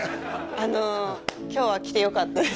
あの今日は来てよかったです